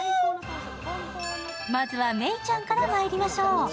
まずは芽育ちゃんからまいりましょう。